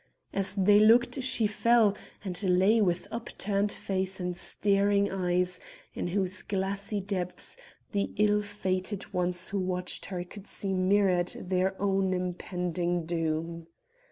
As they looked she fell, and lay with upturned face and staring eyes, in whose glassy depths the ill fated ones who watched her could see mirrored their own impending doom.